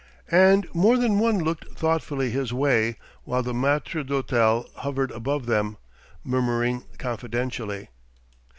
And more than one looked thoughtfully his way while the maître d'hôtel hovered above them, murmuring confidentially.